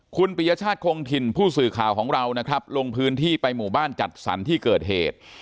คุณปริยชาติคงถิ่นผู้สื่อข่าวของเรานะครับลงพื้นที่ไปหมู่บ้านจัดสรรที่เกิดเหตุ